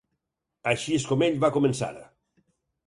Així és com ell va començar.